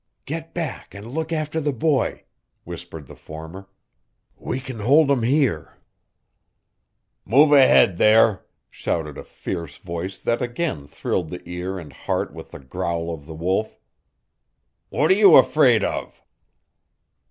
"Get back and look after the boy," whispered the former. "We can hold 'em here." "Move ahead there!" shouted a fierce voice that again thrilled the ear and heart with the growl of the Wolf. "What are you afraid of?"